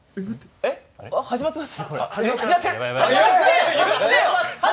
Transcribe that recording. えっ、始まってます？